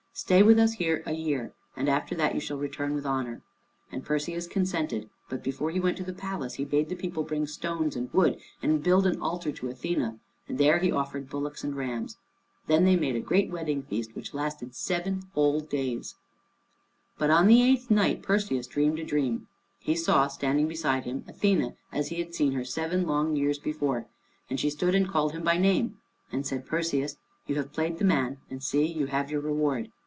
Stay with us here a year, and after that you shall return with honor." And Perseus consented, but before he went to the palace he bade the people bring stones and wood and build an altar to Athené, and there he offered bullocks and rams. Then they made a great wedding feast, which lasted seven whole days. But on the eighth night Perseus dreamed a dream. He saw standing beside him Athené as he had seen her seven long years before, and she stood and called him by name, and said, "Perseus, you have played the man, and see, you have your reward.